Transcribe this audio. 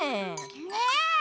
ねえ。